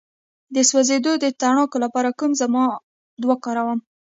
د سوځیدو د تڼاکو لپاره کوم ضماد وکاروم؟